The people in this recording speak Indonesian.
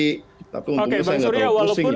oke bang surya walaupun